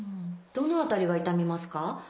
どの辺りが痛みますか？